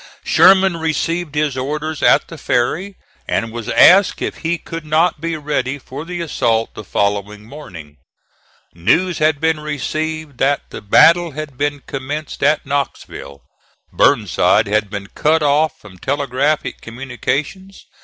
Sherman received his orders at the ferry, and was asked if he could not be ready for the assault the following morning. News had been received that the battle had been commenced at Knoxville. Burnside had been cut off from telegraphic communications.